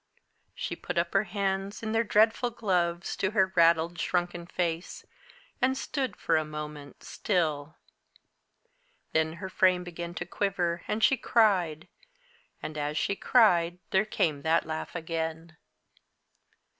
She put up her hands, in their dreadful gloves, to her raddled, shrunken face, and stood, for a moment, still. Then her frame began to quiver, and she cried; and as she cried there came that laugh again.